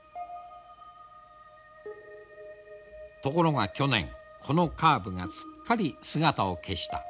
ところが去年このカーブがすっかり姿を消した。